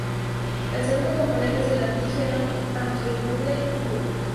El segundo componente es el antígeno autoinmune Ku.